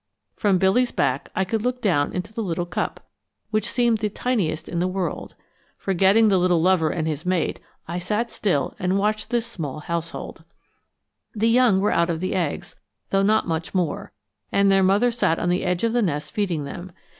From Billy's back I could look down into the little cup, which seemed the tiniest in the world. Forgetting the little lover and his mate, I sat still and watched this small household. The young were out of the eggs, though not much more, and their mother sat on the edge of the nest feeding them.